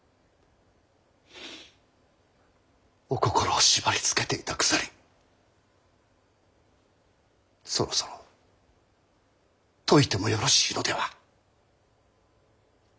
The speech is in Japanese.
お心を縛りつけていた鎖そろそろ解いてもよろしいのでは？